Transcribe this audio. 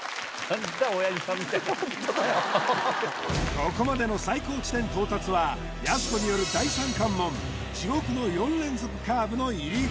ここまでの最高地点到達はやす子による第三関門地獄の４連続カーブの入り口